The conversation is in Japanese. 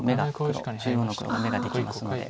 中央の黒眼ができますので。